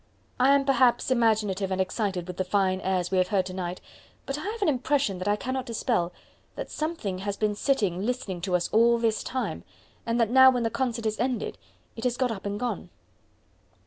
I am perhaps imaginative and excited with the fine airs we have heard to night, but I have an impression that I cannot dispel that something has been sitting listening to us all this time, and that now when the concert is ended it has got up and gone."